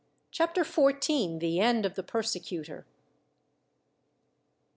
Chapter 14: The End Of The Persecutor.